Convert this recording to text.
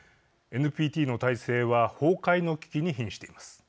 ＮＰＴの体制は崩壊の危機にひんしています。